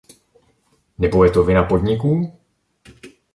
Nebo je to vina podniků?